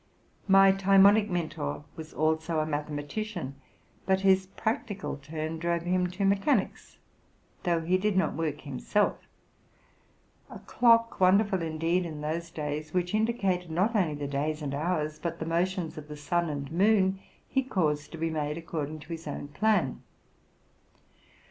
My Timonie mentor was also a mathematician ; but his practical turn drove him to mechanics, though he did not work himself. A clock, wonderful indeed in those days, which indicated, not only the days and hours, but the mo tions of the sun and moon, he caused to be made accord ing to his own plan.